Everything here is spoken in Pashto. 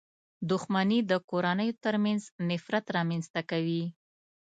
• دښمني د کورنيو تر منځ نفرت رامنځته کوي.